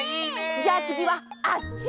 じゃあつぎはあっち！